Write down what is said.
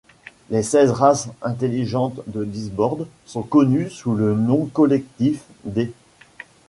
Les seize races intelligentes de Disboard sont connues sous le nom collectif d'.